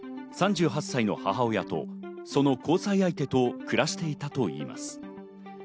３８歳の母親とその交際相手と暮らしていたといいます。